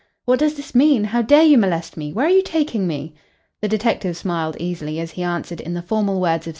"What does this mean? How dare you molest me? Where are you taking me?" The detective smiled easily as he answered in the formal words of C.